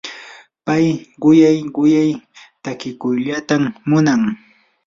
pay quyay quyay takikuyllatam munan.